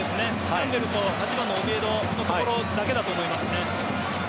キャンベルと８番のオビエドのところだけだと思いますね。